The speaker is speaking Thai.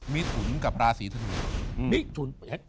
มิถุนกับราศีธนู